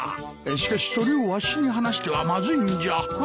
しかしそれをわしに話してはまずいんじゃ。